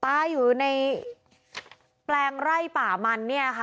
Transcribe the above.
ตายอยู่ในแปลงไร่ป่ามันเนี่ยค่ะ